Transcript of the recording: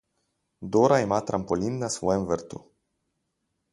Dora ima trampolin na svojem vrtu.